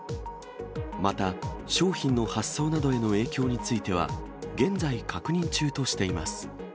また、商品の発送などへの影響については、現在確認中としています。